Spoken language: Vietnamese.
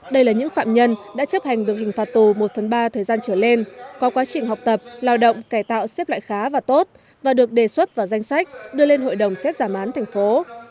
đây là những phạm nhân đã chấp hành được hình phạt tù một phần ba thời gian trở lên có quá trình học tập lao động cải tạo xếp loại khá và tốt và được đề xuất vào danh sách đưa lên hội đồng xét giảm án thành phố